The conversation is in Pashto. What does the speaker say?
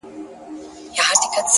پوهه د ذهني ودې زینه ده.!